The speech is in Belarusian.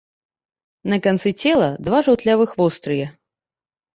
На канцы цела два жаўтлявых вострыя.